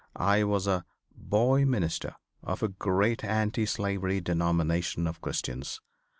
I was a "boy minister" of a great anti slavery denomination of Christians.